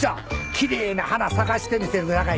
奇麗な花咲かせてみせるさかい。